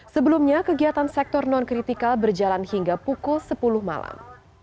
sebelumnya kegiatan sektor non kritikal berjalan hingga pukul sepuluh malam